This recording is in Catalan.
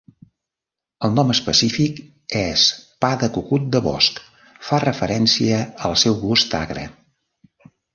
El nom específic és pa de cucut de bosc, fa referència al seu gust agre.